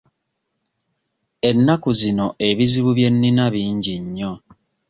Ennaku zino ebizibu bye nnina bingi nnyo.